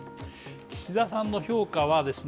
岸田さんの評価はですね